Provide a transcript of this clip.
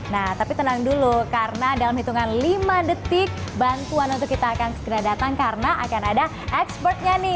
nah tapi tenang dulu karena dalam hitungan lima detik bantuan untuk kita akan segera datang karena akan ada expertnya nih